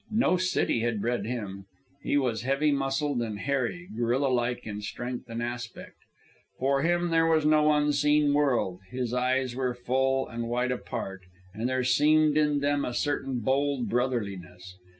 No city had bred him. He was heavy muscled and hairy, gorilla like in strength and aspect. For him there was no unseen world. His eyes were full and wide apart, and there seemed in them a certain bold brotherliness.